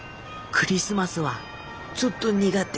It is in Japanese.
クリスマスはちょっと苦手。